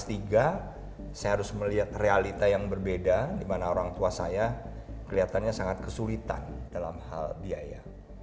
saya harus melihat realita yang berbeda di mana orang tua saya kelihatannya sangat kesulitan dalam hal biaya